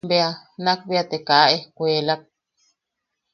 Bea... nak bea te kaa ejkuelak.